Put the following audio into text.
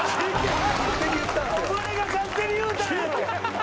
お前が勝手に言うたんやろ。